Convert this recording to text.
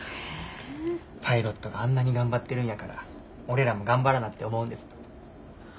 パイロットがあんなに頑張ってるんやから俺らも頑張らなって思うんです。